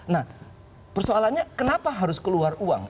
nah persoalannya kenapa harus keluar uang